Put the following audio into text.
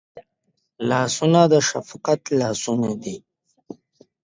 لاسونه د شفقت لاسونه دي